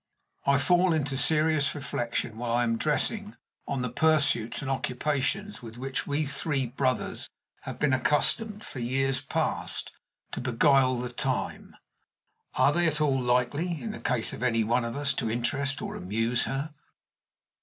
I fall into serious reflection while I am dressing on the pursuits and occupations with which we three brothers have been accustomed, for years past, to beguile the time. Are they at all likely, in the case of any one of us, to interest or amuse her?